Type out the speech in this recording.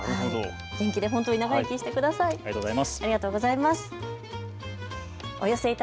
元気で長生きしてください。